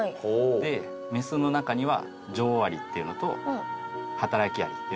でメスの中には女王アリっていうのと働きアリっていうのがいると。